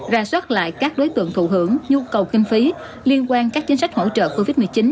ra soát lại các đối tượng thụ hưởng nhu cầu kinh phí liên quan các chính sách hỗ trợ covid một mươi chín